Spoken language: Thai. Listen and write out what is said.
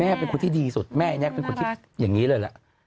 เป็นคนที่ดีสุดแม่แน็กเป็นคนที่อย่างนี้เลยล่ะ